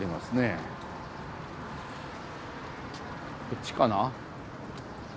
こっちかな？